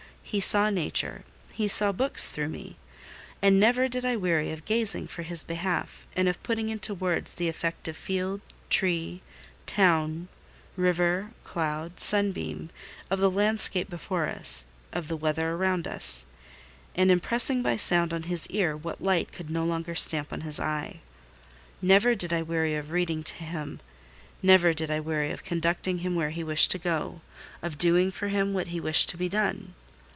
He saw nature—he saw books through me; and never did I weary of gazing for his behalf, and of putting into words the effect of field, tree, town, river, cloud, sunbeam—of the landscape before us; of the weather round us—and impressing by sound on his ear what light could no longer stamp on his eye. Never did I weary of reading to him; never did I weary of conducting him where he wished to go: of doing for him what he wished to be done.